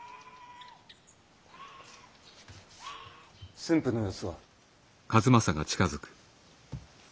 駿府の様子は？